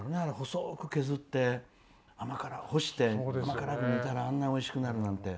細く削って干して甘辛く煮たらあんなにおいしくなるなんて。